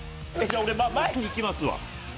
俺、前に行きますわ。